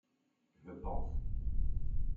Je pense.